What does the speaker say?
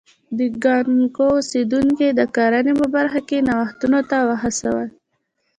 د کانګو اوسېدونکي یې د کرنې په برخه کې نوښتونو ته وهڅول.